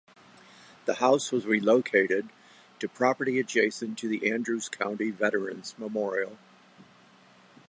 The house was relocated to property adjacent to the Andrews County Veterans Memorial.